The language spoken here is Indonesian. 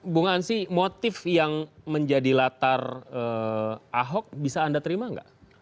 bung ansi motif yang menjadi latar ahok bisa anda terima nggak